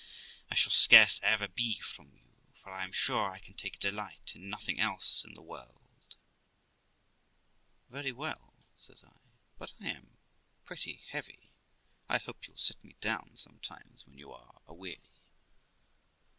I shall scarce ever be from you; for I am sure I can take delight in nothing else in this world.' 'Very well', says I; 'but I am pretty heavy. I hope you'll set me down some times when you are aweary.'